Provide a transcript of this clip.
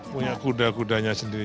punya kuda kudanya sendiri